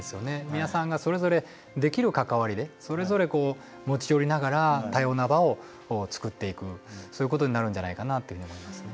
皆さんがそれぞれできる関わりでそれぞれこう持ち寄りながら多様な場をつくっていくそういうことになるんじゃないかなって思いますね。